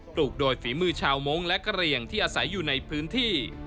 ลูกโดยฝีมือชาวมงค์และกระเหลี่ยงที่อาศัยอยู่ในพื้นที่